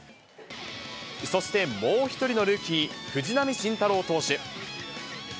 そしてもう一人のルーキー、藤浪晋太郎投手。